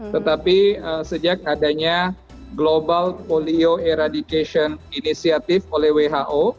tetapi sejak adanya global polio eradication initiative oleh who